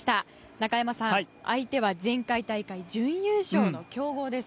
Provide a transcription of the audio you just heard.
中山さん、相手は前回大会準優勝の強豪です。